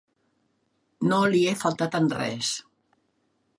No li he faltat en res.